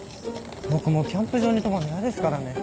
僕もうキャンプ場に泊まんのやですからね。